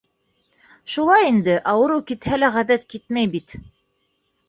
Шулай инде: ауырыу китһә лә ғәҙәт китмәй бит.